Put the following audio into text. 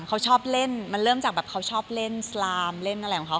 เขาชอบเล่นมันเริ่มจากแบบเขาชอบเล่นสลามเล่นอะไรของเขา